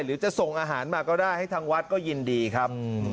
หรือจะส่งอาหารมาก็ได้ให้ทางวัดก็ยินดีครับ